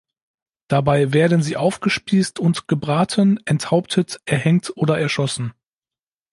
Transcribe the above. Dabei werden sie aufgespießt und gebraten, enthauptet, erhängt oder erschossen.